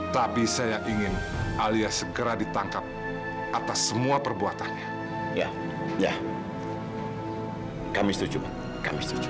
tapi saya ingin alias segera ditangkap atas semua perbuatannya ya kami setuju kami setuju